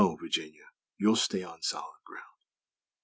Virginia! You'll _stay on solid ground!